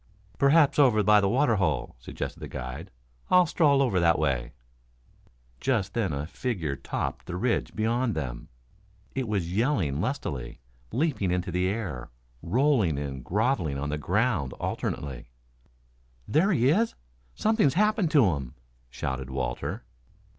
"Perhaps over by the water hole," suggested the guide. "I'll stroll over that way." Just then a figure topped the ridge beyond them. It was yelling lustily, leaping into the air, rolling and groveling on the ground alternately. "There he is! Something's happened to him," shouted Walter.